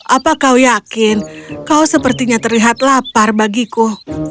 apa kau yakin kau sepertinya terlihat lapar bagiku